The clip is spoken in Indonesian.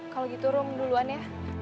kalau gitu rom duluan ya